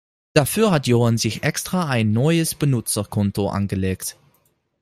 Dafür hat Johann sich extra ein neues Benutzerkonto angelegt.